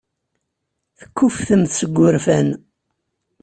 Tekkufftem seg wurfan.